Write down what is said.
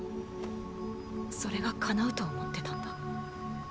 それが叶うと思ってたんだ。